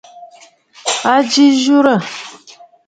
À jɨ nyurə.